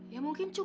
ya mungkin cukup